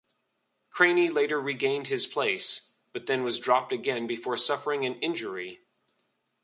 Crainey later regained his place, but then was dropped again before suffering an injury.